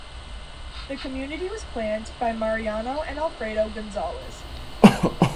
The community was planned by Mariano and Alfredo Gonzales.